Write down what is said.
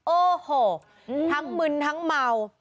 โอ้โหทั้งมึนทั้งเมา